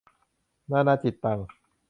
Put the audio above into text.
นานาจิตตัง